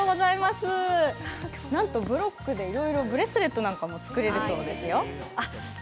なんとブロックで、いろいろブレスレットなども作れるそうですよ。